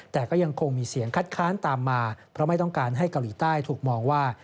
แต่ก็ยังคงมีเสียงคัดค้านตามมาเพราะไม่ต้องการให้เกาหลีใต้ถูกมองว่า